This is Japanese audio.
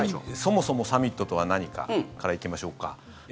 そもそもサミットとは何かから行きましょうか。